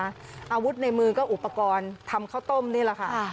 อาวุธในมือก็อุปกรณ์ทำข้าวต้มนี่แหละค่ะ